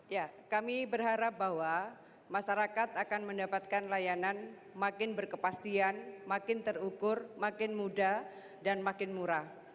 ya kami berharap bahwa masyarakat akan mendapatkan layanan makin berkepastian makin terukur makin mudah dan makin murah